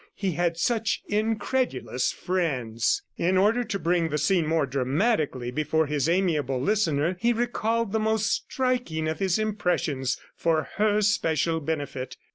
He had such incredulous friends! ... In order to bring the scene more dramatically before his amiable listener, he recalled the most striking of his impressions for her special benefit.